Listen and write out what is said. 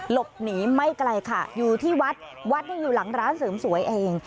หลบหนีไม่ไกลค่ะอยู่ที่วัดวัดนี่อยู่หลังร้านเสริมสวยเอง